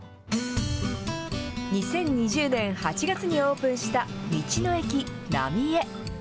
２０２０年８月にオープンした道の駅なみえ。